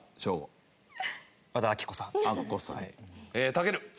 たける。